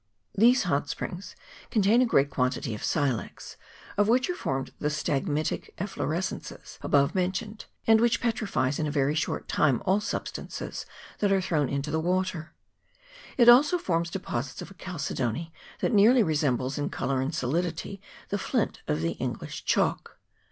These hot springs contain a great quantity of silex, of which are formed the stalagmitic efflo rescences above mentioned, and which petrifies in a very short time all substances that are thrown into the water ; it also forms deposits of a chalcedony that nearly resembles in colour and solidity the flint of the English chalk.